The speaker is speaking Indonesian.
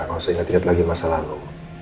nggak usah inget inget lagi masa lalu